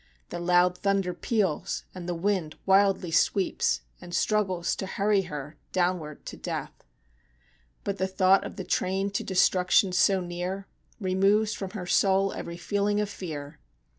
The loud thunder peals and the wind wildly sweeps, And struggles to hurry her downward to death; But the thought of the train to destruction so near Removes from her soul every feeling of fear.